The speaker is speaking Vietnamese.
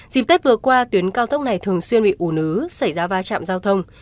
dịp tết vừa qua tuyến cao tốc này thường xuyên bị ủ nứ xảy ra va chạm giao thông